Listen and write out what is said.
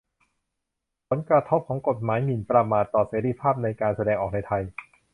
ผลกระทบของกฎหมายหมิ่นประมาทต่อเสรีภาพในการแสดงออกในไทย